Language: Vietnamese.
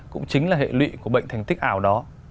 cũng chính là hệ lụy của bệnh thành tích ảo đó